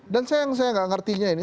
dan saya yang gak ngertinya ini